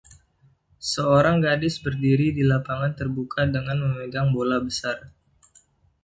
Seorang gadis berdiri di lapangan terbuka dengan memegang bola besar.